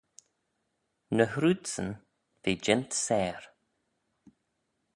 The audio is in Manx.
Ny hrooidsyn ve jeant seyr.